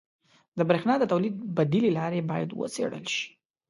• د برېښنا د تولید بدیلې لارې باید وڅېړل شي.